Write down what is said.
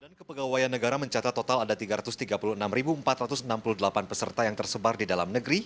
dan kepegawaian negara mencatat total ada tiga ratus tiga puluh enam empat ratus enam puluh delapan peserta yang tersebar di dalam negeri